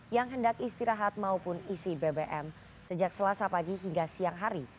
yang hendak istirahat maupun isi bbm sejak selasa pagi hingga siang hari